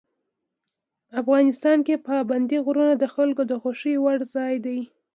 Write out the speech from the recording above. افغانستان کې پابندی غرونه د خلکو د خوښې وړ ځای دی.